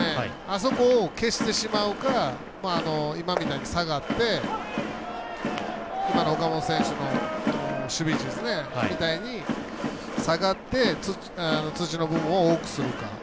あそこを消してしまうか今みたいに下がって今の岡本選手の守備位置みたいに下がって土の部分を多くするか。